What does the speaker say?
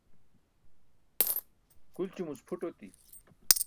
gulćumuc phut oti